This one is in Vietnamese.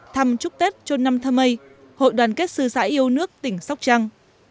thăm chúc tết cho năm thơ mây hội đoàn kết sư giãi yêu nước tỉnh sóc trăng